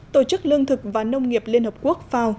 tổ chức lương thực và nông nghiệp liên hợp quốc fao